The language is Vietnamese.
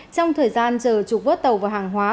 trong thời gian chờ trục vớt tàu và hàng hóa